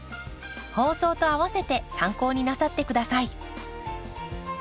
放送とあわせて参考になさって下さい。